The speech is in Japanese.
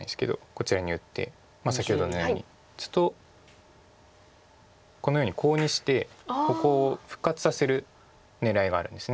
こちらに打って先ほどのように打つとこのようにコウにしてここを復活させる狙いがあるんです。